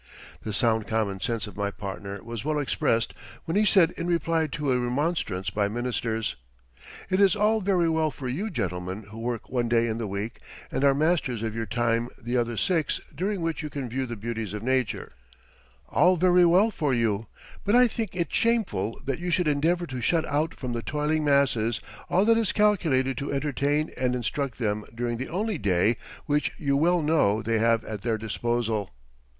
The sound common sense of my partner was well expressed when he said in reply to a remonstrance by ministers: "It is all very well for you, gentlemen, who work one day in the week and are masters of your time the other six during which you can view the beauties of Nature all very well for you but I think it shameful that you should endeavor to shut out from the toiling masses all that is calculated to entertain and instruct them during the only day which you well know they have at their disposal."